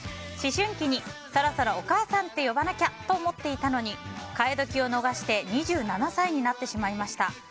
思春期にそろそろお母さんって呼ばなきゃと思っていたのに変え時を逃して２７歳になってしまいました。